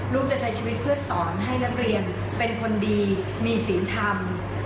จะใช้ชีวิตเพื่อสอนให้นักเรียนเป็นคนดีมีศีลธรรม